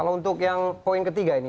kalau untuk yang poin ketiga ini